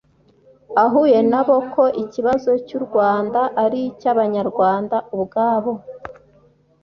ahuye na bo ko ikibazo cy'u rwanda ari icy'abanyarwanda ubwabo,